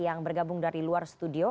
yang bergabung dari luar studio